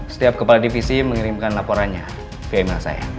setiap kepala divisi mengirimkan laporannya via email saya